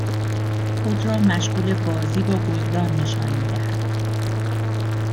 خود را مشغول بازی با گلدان نشان میدهد